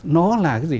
nó là cái gì